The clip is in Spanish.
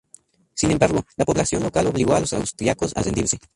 Sin embargo, la población local obligó a los austriacos a rendirse.